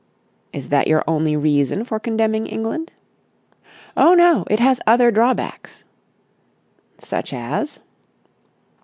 "Is that your only reason for condemning England?" "Oh no, it has other drawbacks." "Such as?"